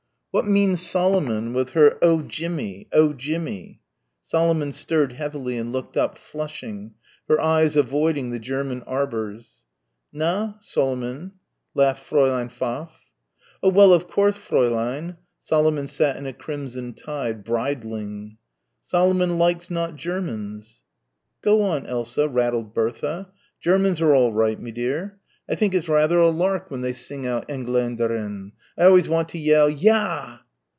"What means Solomon, with her 'Oh, Djimmee,' 'oh, Djim_mee_'?" Solomon stirred heavily and looked up, flushing, her eyes avoiding the German arbours. "Na, Solemn," laughed Fräulein Pfaff. "Oh well, of course, Fräulein." Solomon sat in a crimson tide, bridling. "Solomon likes not Germans." "Go on, Elsa," rattled Bertha. "Germans are all right, me dear. I think it's rather a lark when they sing out Engländerin. I always want to yell 'Ya!'"